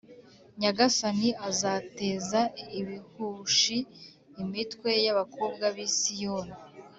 Nyagasani azateza ibihushi imitwe y’abakobwa b’i Siyoni,